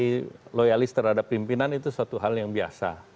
jadi loyalis terhadap pimpinan itu suatu hal yang biasa